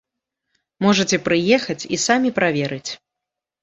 Можаце прыехаць і самі праверыць.